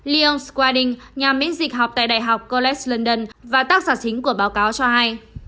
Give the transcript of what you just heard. leon skwading nhà miễn dịch học tại đại học college london và tác giả chính của báo cáo cho hay